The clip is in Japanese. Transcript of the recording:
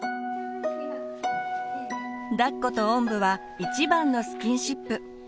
だっことおんぶは一番のスキンシップ。